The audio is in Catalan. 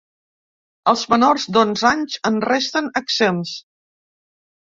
Els menors d’onze anys en resten exempts.